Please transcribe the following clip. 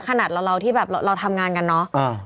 ขนาดเราที่แบบเราทำงานกันเนอะ